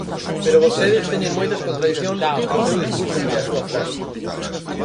Pero vostedes teñen moitas contradicións entre o seu discurso e a súa praxe.